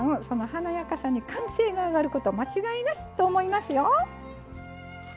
その華やかさに歓声が上がること間違いなしと思いますよ。